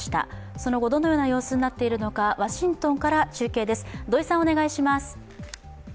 その後、どのような様子になっているのか、ワシントンから中継です。